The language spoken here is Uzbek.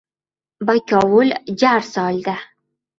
Bakovul jar soldi.